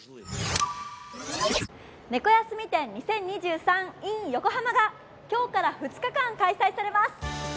ねこ休み展２０２３ｉｎ横浜が今日から２日間、開催されます。